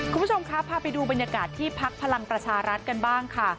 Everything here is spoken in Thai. คุณผู้ชมครับพาไปดูบรรยากาศที่พักพลังประชารัฐกันบ้างค่ะ